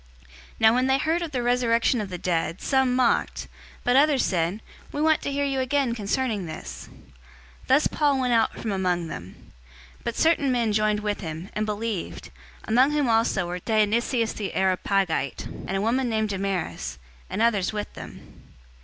017:032 Now when they heard of the resurrection of the dead, some mocked; but others said, "We want to hear you again concerning this." 017:033 Thus Paul went out from among them. 017:034 But certain men joined with him, and believed, among whom also was Dionysius the Areopagite, and a woman named Damaris, and others with them.